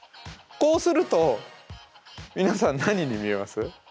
こうすると皆さん何に見えます？